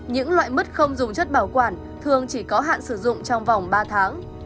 những loại mứt không dùng chất bảo quản thường chỉ có hạn sử dụng trong vòng ba tháng